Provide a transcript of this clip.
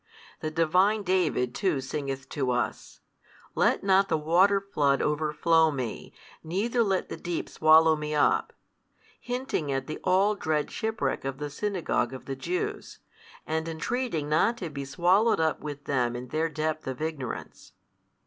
The divine David too singeth to us, Let not the waterflood overflow me, neither let the deep swallow me up, hinting at the all dread shipwreck of the Synagogue of the Jews, and entreating not to be swallowed up with them in their depth of ignorance.